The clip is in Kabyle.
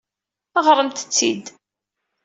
Ɣṛemt-tt-id.